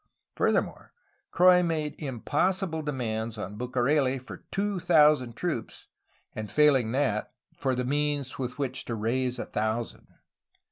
Furthermore, Croix made impossible demands on Bucareli ior two thousand troops, and, failing that, for the means with which to raise a thousand.